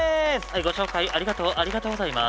ご紹介ありがとうありがとうございます。